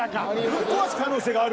ぶっ壊す可能性がある。